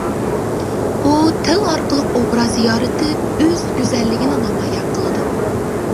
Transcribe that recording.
ئۇ تىل ئارقىلىق ئوبراز يارىتىپ، ئۆز گۈزەللىكىنى نامايان قىلىدۇ.